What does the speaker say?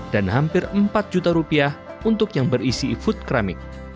dan hampir empat juta rupiah untuk yang berisi food keramik